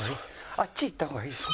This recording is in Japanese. あっち行った方がいい。